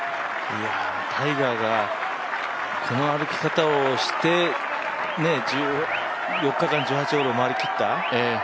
タイガーがこの歩き方をして４日間、１８ホールを回り切った。